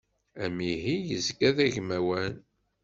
Amihi yezga d agmawan.